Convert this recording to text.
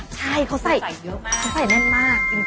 มีไส้เขาเยอะนะ